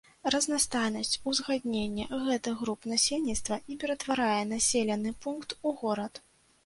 Разнастайнасць, узгадненне гэтых груп насельніцтва і ператварае населены пункт у горад.